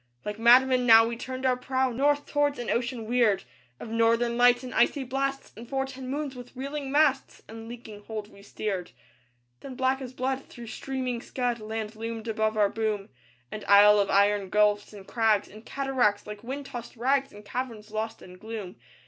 Like madmen now we turned our prow North, towards an ocean weird Of Northern Lights and icy blasts; And for ten moons with reeling masts And leaking hold we steered. Then black as blood through streaming scud Land loomed above our boom, An isle of iron gulfs and crags And cataracts, like wind tossed rags, And caverns lost in gloom.